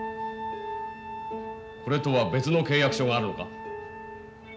これとは別の契約書があるのか？